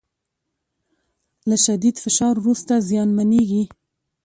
له شدید فشار وروسته زیانمنېږي